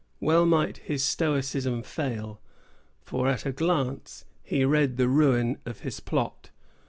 Well might his stoicism fail, for at a glance he read the ruin of his plot.